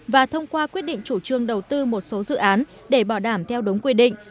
và thông qua quyết định chủ trương đầu tư một số dự án để bảo đảm theo đúng quy định